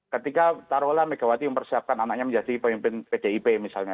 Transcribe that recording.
ketika taruhlah megawati mempersiapkan anaknya menjadi pemimpin pdip misalnya